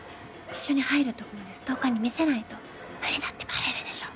一緒に入るとこまでストーカーに見せないとふりだってバレるでしょ。